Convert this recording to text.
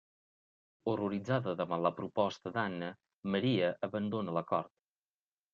Horroritzada davant la proposta d'Anna, Maria abandona la cort.